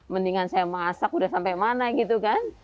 mendingan saya masak udah sampai mana gitu kan